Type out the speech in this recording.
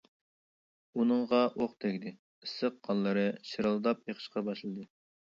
ئۇنىڭغا ئوق تەگدى، ئىسسىق قانلىرى شىرىلداپ ئېقىشقا باشلىدى.